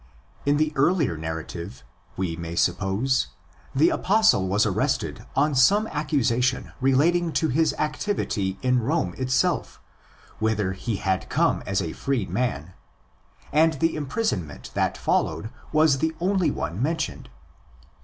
In the earlier narrative, we may suppose, the apostle was arrested on some accusation relating to his activity in Rome itself, whither he had come as a free man; and the imprisonment that followed was the only one mentioned.